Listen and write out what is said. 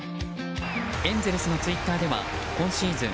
エンゼルスのツイッターでは今シーズン